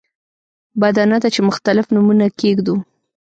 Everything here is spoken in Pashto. بده نه ده چې مختلف نومونه کېږدو.